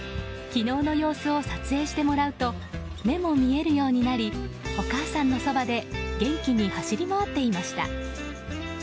昨日の様子を撮影してもらうと目も見えるようになりお母さんのそばで元気に走り回っていました。